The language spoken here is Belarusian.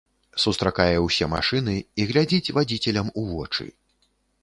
Сустракае ўсе машыны і глядзіць вадзіцелям у вочы.